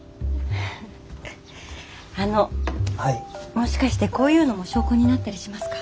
もしかしてこういうのも証拠になったりしますか？